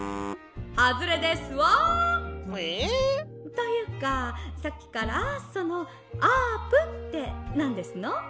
「というかさっきからそのあーぷんってなんですの？」。